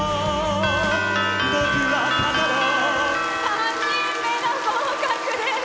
３人目の合格です。